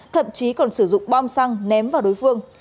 thậm chí còn sử dụng bom xăng ném vào đối phương